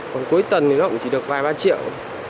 còn cuối tuần thì nó cũng chỉ được vài ba triệu